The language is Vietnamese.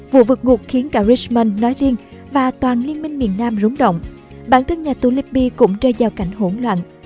vụ vượt ngục khiến cả richmond nói riêng và toàn liên minh miền nam rúng động bản thân nhà tù libby cũng rơi vào cảnh hỗn loạn